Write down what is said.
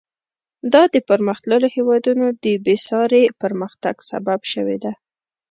دا د پرمختللو هېوادونو د بېساري پرمختګ سبب شوې ده.